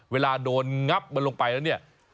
เวลาโดนงับมันลงไปแล้วเนี่ย